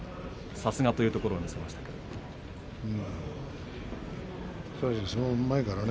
さすがというところを見せましたね。